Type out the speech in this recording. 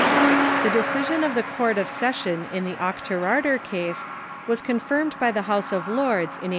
The decision of the Court of Session in the Auchterarder case was confirmed by the House of Lords in 1839.